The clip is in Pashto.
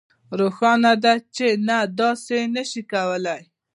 روښانه ده چې نه داسې نشئ کولی